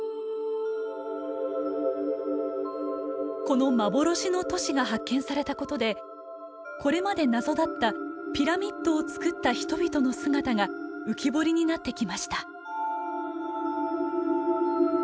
この幻の都市が発見されたことでこれまで謎だったピラミッドを造った人々の姿が浮き彫りになってきました。